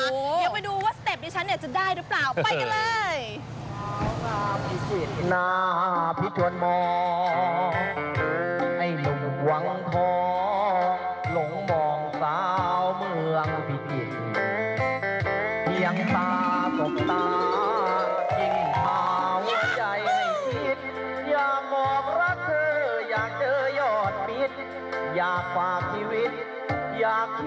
เดี๋ยวไปดูว่าสเต็ปดิฉันเนี่ยจะได้หรือเปล่าไปกันเลย